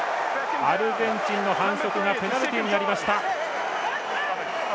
アルゼンチンの反則がペナルティになりました。